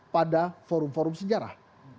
pada forum forum sejarah